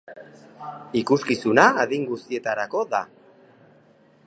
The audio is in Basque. Ikuskizuna adin guztietarako da.